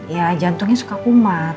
ya jantungnya suka kumat